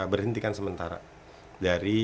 berhentikan sementara dari